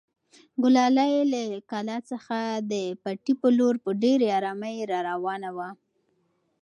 ګلالۍ له کلا څخه د پټي په لور په ډېرې ارامۍ راروانه وه.